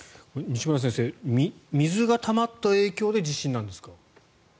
西村先生水がたまった影響で地震なんですか？